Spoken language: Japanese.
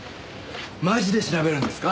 マジで調べるんですか？